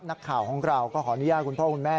นักข่าวของเราก็ขออนุญาตคุณพ่อคุณแม่